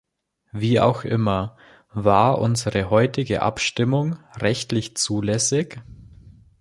Wie auch immer, war unsere heutige Abstimmung rechtlich zulässig?